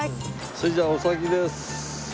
それじゃお先です。